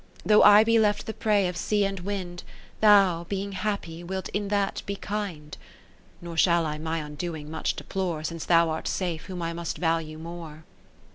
30 Though I be left the prey of sea and wind, Thou, being happyj wilt in that be kind ; Nor shall I my undoing much deplore, Since thou art safe, whom I must value more.